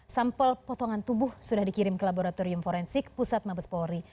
sampel potongan tubuh sudah dikirim ke laboratorium forensik pusat mabes polri